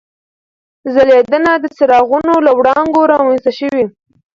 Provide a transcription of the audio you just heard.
ځلېدنه د څراغونو له وړانګو رامنځته شوې.